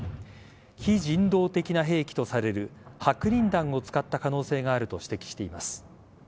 非人道的な兵器とされる白リン弾を使った可能性があると指摘しています。